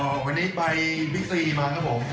วันนี้ไปบิ๊กซีมาครับผม